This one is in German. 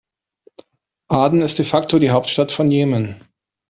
Aden ist de facto die Hauptstadt von Jemen.